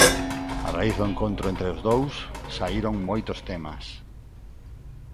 A raíz do encontro entre os dous, saíron moitos temas.